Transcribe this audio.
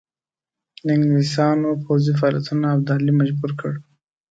انګلیسیانو پوځي فعالیتونو ابدالي مجبور کړ.